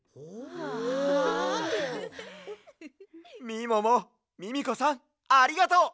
みももミミコさんありがとう！